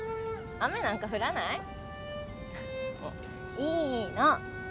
雨なんか降らない？いいの！